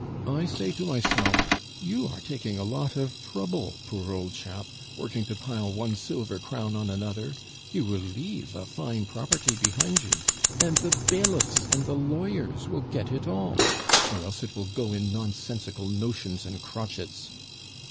I say to myself, 'You are taking a lot of trouble, poor old chap; working to pile one silver crown on another, you will leave a fine property behind you, and the bailiffs and the lawyers will get it all; ... or else it will go in nonsensical notions and crotchets.